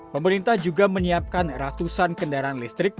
pemerintah juga menyiapkan ratusan kendaraan listrik